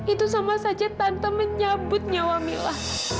itu sama saja tante menyabut nyawa mila